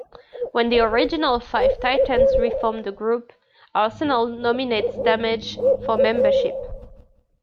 When the original five Titans reformed the group, Arsenal nominates Damage for membership.